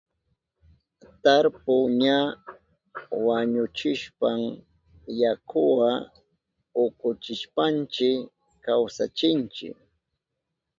Tarpu ña wañuhushpan yakuwa ukuchishpanchi kawsachinchi.